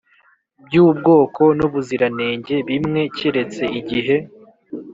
by ubwoko n ubuziranenge bimwe keretse igihe